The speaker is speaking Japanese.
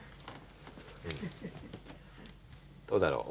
どうだろう？